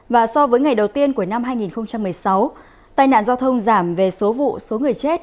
và so với ngày đầu tiên của năm hai nghìn một mươi sáu tai nạn giao thông giảm về số vụ số người chết